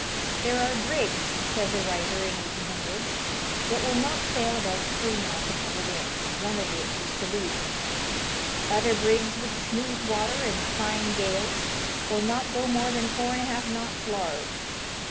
"There are brigs," says a writer in 1800, "that will not sail above three knots upon a wind, one of which is to leeward ; other brigs with smooth water and fine gales will not go more than four and a half knots large."